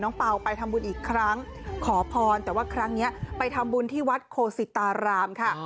เปล่าไปทำบุญอีกครั้งขอพรแต่ว่าครั้งนี้ไปทำบุญที่วัดโคสิตารามค่ะ